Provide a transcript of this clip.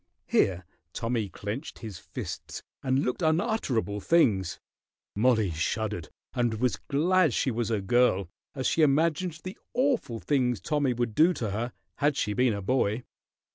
Here Tommy clenched his fists and looked unutterable things. Mollie shuddered and was glad she was a girl as she imagined the awful things Tommy would do to her had she been a boy.